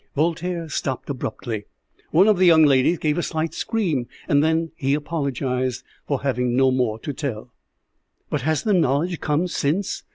'" Voltaire stopped abruptly. One of the young ladies gave a slight scream, and then he apologized for having no more to tell. "But has the knowledge come since?"